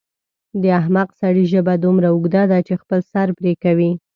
د احمق سړي ژبه دومره اوږده ده چې خپل سر پرې کوي.